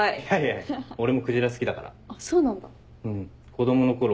子供のころ